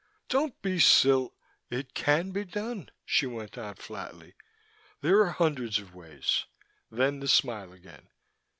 "Don't be sil " "It can be done," she went on flatly. "There are hundreds of ways." Then the smile again.